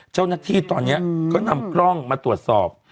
เจ้าหน้าที่ตอนนี้ก็นำกล้องมาตรวจสอบ